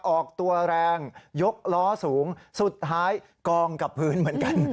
ออกตัวแรงยกล้อสูงสุดท้ายกองกับพื้นเหมือนกัน